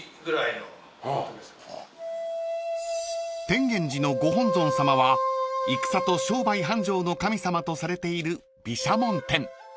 ［天現寺のご本尊さまは戦と商売繁盛の神様とされている毘沙門天］